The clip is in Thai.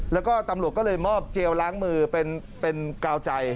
แล้วก็ตำรวจก็เลยมอบเจลล้างมือเป็นกาวใจ